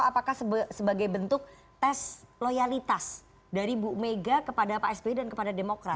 apakah sebagai bentuk tes loyalitas dari bu mega kepada pak sby dan kepada demokrat